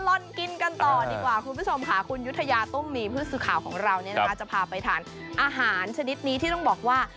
ก่อนดีกว่าคุณผู้ชมค่ะคุณยุทยาตุ้มมีบริษฐาของเราจะพาไปทานอาหารชนิดนี้ที่ต้องบอกว่า